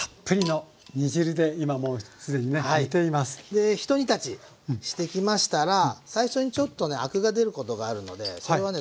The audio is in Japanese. でひと煮立ちしてきましたら最初にちょっとねアクが出ることがあるのでそれはね